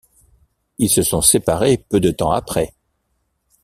Ils se sont séparés peu de temps après.